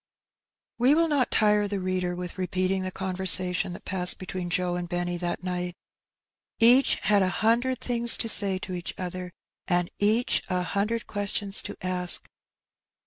We will not tire the reader with repeating the conver sation that passed between Joe and Benny that night. Each had a hundred things to say to each other, and each a hundred questions to ask.